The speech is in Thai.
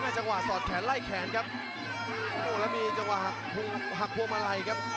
จังหวะสอดแขนไล่แขนครับโอ้แล้วมีจังหวะหักพวงมาลัยครับ